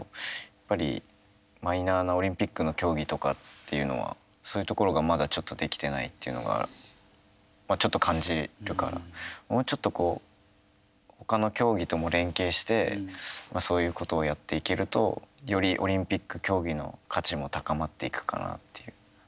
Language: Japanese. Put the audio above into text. やっぱりマイナーなオリンピックの競技とかっていうのはそういうところが、まだちょっとできてないっていうのがちょっと感じるからもうちょっとほかの競技とも連携してそういうことをやっていけるとよりオリンピック競技の価値も高まっていくかなっていう。